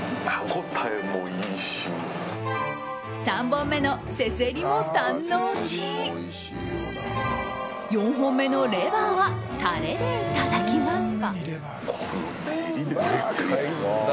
３本目のせせりも堪能し４本目のレバーはタレでいただきます。